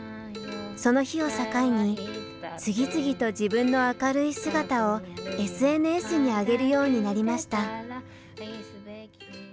その日を境に次々と自分の明るい姿をＳＮＳにあげるようになりました。